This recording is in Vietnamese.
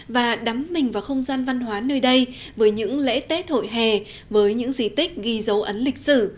và đắm mình vào không gian văn hóa nơi đây với những lễ tết hội hè với những di tích ghi dấu ấn lịch sử